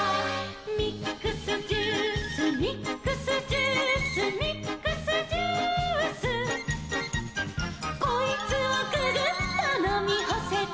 「ミックスジュースミックスジュース」「ミックスジュース」「こいつをググッとのみほせば」